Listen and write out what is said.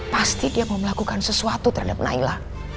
pasti dia mau melakukan sesuatu terhadap naila